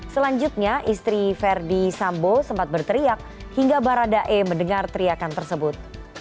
selanjutnya istri verdi sambo sempat berteriak hingga baradae mendengar teriakan tersebut